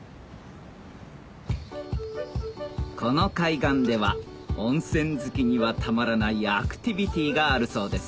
この海岸では温泉好きにはたまらないアクティビティーがあるそうです